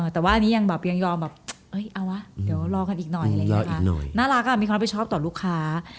แต่ว่าอันนี้ยังแบบยอมแบบเอ้ยเอาวะเดี๋ยวรอกันอีกหน่อยน่ารักอ่ะมีความผิดชอบต่อลูกค้า